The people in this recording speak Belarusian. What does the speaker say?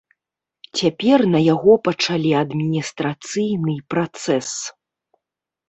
Цяпер на яго пачалі адміністрацыйны працэс.